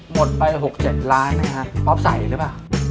หมดไป๖๗ล้านนะครับป๊อปใส่หรือเปล่า